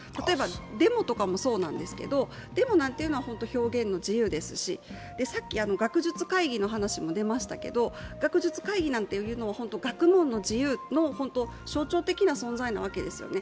デモとかもそうなんですけどデモなんていうのは表現の自由ですし、さっき学術会議の話も出ましたけど、学術会議も学問の自由の象徴的な存在なわけですよね。